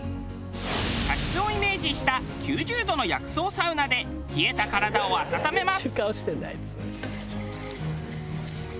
茶室をイメージした９０度の薬草サウナで冷えた体を温めます。